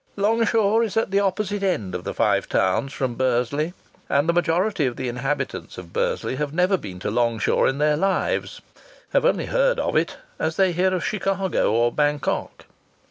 Longshaw is at the opposite end of the Five Towns from Bursley, and the majority of the inhabitants of Bursley have never been to Longshaw in their lives, have only heard of it, as they hear of Chicago or Bangkok.